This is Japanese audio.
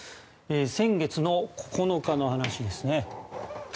先月の９日の話です。